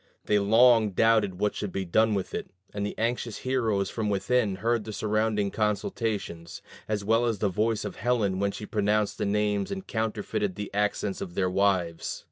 They long doubted what should be done with it; and the anxious heroes from within heard the surrounding consultations, as well as the voice of Helen when she pronounced their names and counterfeited the accents of their wives.